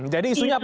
jadi isunya apa bu